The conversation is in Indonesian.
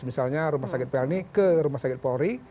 misalnya rumah sakit pelni ke rumah sakit polri